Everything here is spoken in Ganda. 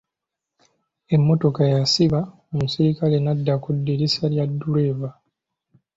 Emmotoka yasiba omuserikale n'adda ku ddirisa lya ddereeva.